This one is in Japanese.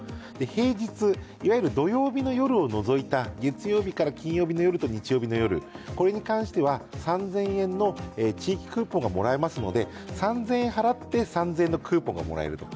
平日、いわゆる土曜日の夜を除いた月曜日から金曜日を除いた土曜日と日曜日の夜に関しては３０００円の地域クーポンがもらえますので３０００円払って、３０００円のクーポンがもらえると。